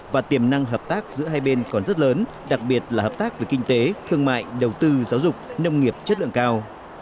và tiềm năng hợp tác giữa hai bên còn rất lớn đặc biệt là hợp tác về kinh tế thương mại đầu tư giáo dục nông nghiệp chất lượng cao